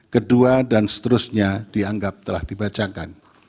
kedua dan seterusnya dianggap telah dibacakan